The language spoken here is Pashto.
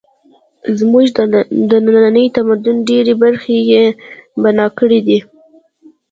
زموږ د ننني تمدن ډېرې برخې یې بنا کړې دي.